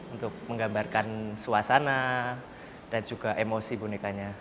untuk menggambarkan suasana dan juga emosi bonekanya